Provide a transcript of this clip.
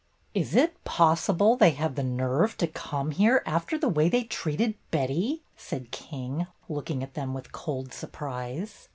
"Is it possible they have the nerve to come here after the way they treated Betty?" said King, looking at them with cold surprise.